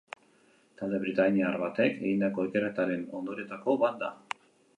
Talde britainiar batek egindako ikerketaren ondorioetako bat da.